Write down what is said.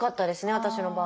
私の場合は。